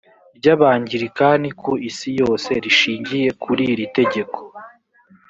ry abangilikani ku isi yose rishingiye kuri ritegeko